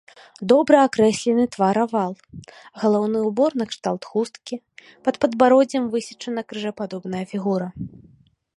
Добра акрэслены твар-авал, галаўны ўбор накшталт хусткі, пад падбароддзем высечана крыжападобная фігура.